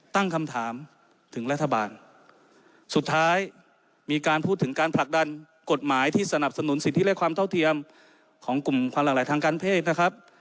ตั้งคำถามถึงรัฐบาลสุดท้ายมีการพูดถึงการผลักดันกฎหมายที่สนับสนุนสิทธิและความเท่าเทียมของกลุ่มความหลากหลายทางการเพศนะครับ